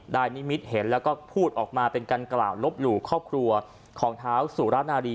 นิมิตเห็นแล้วก็พูดออกมาเป็นการกล่าวลบหลู่ครอบครัวของเท้าสุรนารี